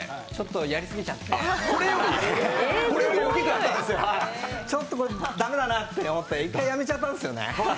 やりすぎちゃってちょっとこれ、駄目だなって思って一回やめちゃったんですよね。